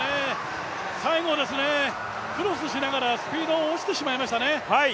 最後はクロスしながらスピードが落ちてしまいましたね。